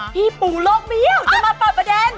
พี่ปูเรากี๊จะมาเปิดประเด็น